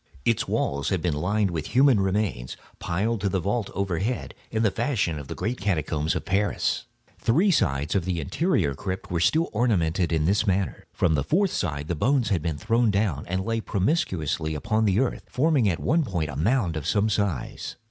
Its walls had been lined with human remains, piled to the vault overhead, in the fashion of the great catacombs of Paris. Three sides of this interior crypt were still ornamented in this manner. From the fourth the bones had been thrown down, and lay promiscuously upon the earth, forming at one point a mound of some size.